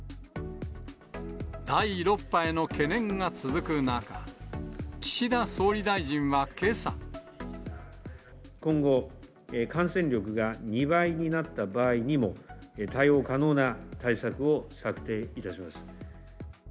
第６波への懸念が続く中、今後、感染力が２倍になった場合にも、対応可能な対策を策定いたします。